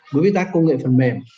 đối tác công nghệ phần mềm